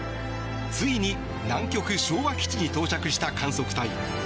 ついに南極・昭和基地に到着した観測隊。